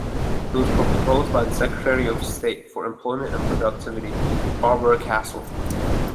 It was proposed by the Secretary of State for Employment and Productivity, Barbara Castle.